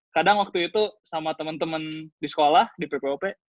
kadang waktu itu sama temen temen di sekolah di ppp